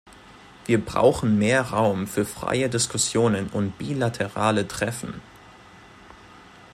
Wir brauchen mehr Raum für freie Diskussionen und bilaterale Treffen.